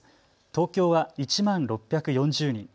東京は１万６４０人。